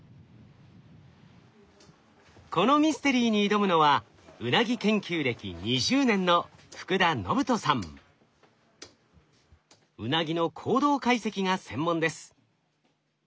このミステリーに挑むのはウナギ研究歴２０年のウナギの行動解析が専門です。